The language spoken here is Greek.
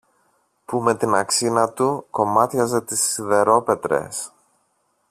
που με την αξίνα του κομμάτιαζε τις σιδερόπετρες